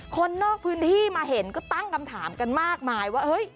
คนนอกพื้นที่มาเห็นก็ตั้งคำถามกันมากมายว่าเฮ้ย